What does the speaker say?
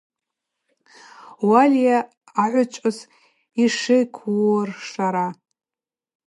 Уальай агӏвычӏвгӏвыс йшйыквуыршара.